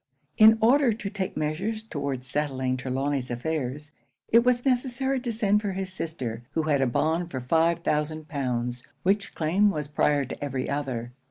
'In order to take measures towards settling Trelawny's affairs, it was necessary to send for his sister, who had a bond for five thousand pounds, which claim was prior to every other.